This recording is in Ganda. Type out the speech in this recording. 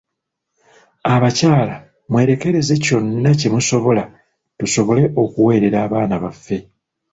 Abakyala mwerekereze kyonna kye musobola tusobole okuweerera abaana baffe.